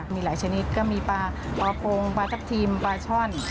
มีหลายชนิดก็มีปลาปลาปงปลาทับทิมปลาช่อน